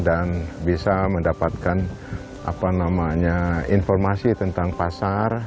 dan bisa mendapatkan apa namanya informasi tentang pasar